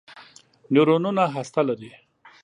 نیورونونه هسته لري.